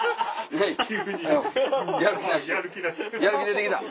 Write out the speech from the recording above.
やる気出て来た？